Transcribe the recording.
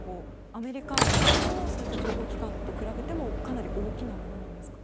アメリカのそういった情報機関と比べてもかなり大きなものなんですか。